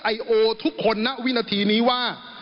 ไอโอทุกคนณวินาทีนี้ว่า